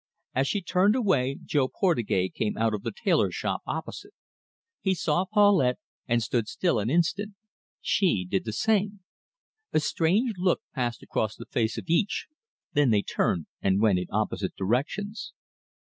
As she turned away Jo Portugais came out of the tailor shop opposite. He saw Paulette, and stood still an instant. She did the same. A strange look passed across the face of each, then they turned and went in opposite directions.